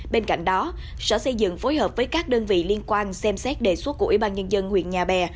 bên cạnh đó sở xây dựng phối hợp với các đơn vị liên quan xem xét đề xuất của ubnd huyện nhà bè